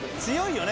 強い。